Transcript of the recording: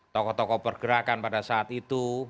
tokoh tokoh pergerakan pada saat itu